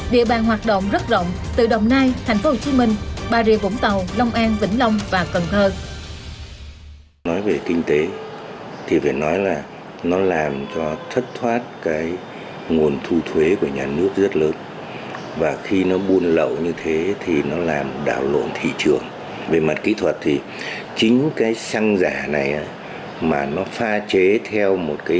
địa bàn hoạt động rất rộng từ đồng nai tp hcm bà rịa vũng tàu long an vĩnh long và cần thơ